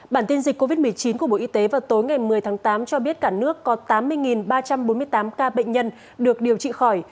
bản tin dịch covid một mươi chín của bộ y tế vào tối ngày một mươi tháng tám cho biết cả nước có tám mươi ba trăm bốn mươi tám ca bệnh nhân được điều trị khỏi